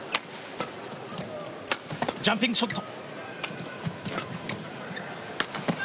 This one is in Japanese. ジャンピングショット。